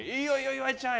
岩井ちゃん